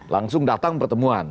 langsung datang pertemuan